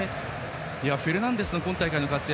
フェルナンデスの今大会の活躍